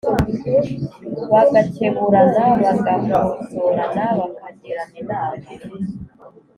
bagakeburana: bagakosorana, bakagirana inama.